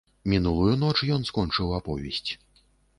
Мінулую ноч ён скончыў аповесць.